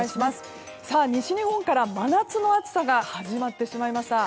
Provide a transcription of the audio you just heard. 西日本から真夏の暑さが始まってしまいました。